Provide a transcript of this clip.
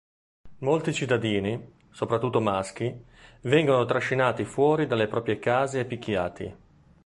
Molti cittadini, soprattutto maschi, vengono trascinati fuori dalle proprie case e picchiati.